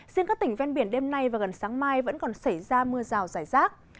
riêng các tỉnh ven biển đêm nay và gần sáng mai vẫn còn xảy ra mưa rào rải rác